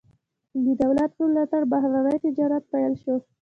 د دولت په ملاتړ بهرنی تجارت پیل شو.